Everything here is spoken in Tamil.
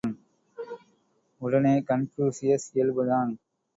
உடனே கன்பூசியஸ், இயல்புதான்!